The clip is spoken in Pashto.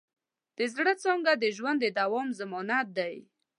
د زړۀ څانګه د ژوند د دوام ضمانت ده.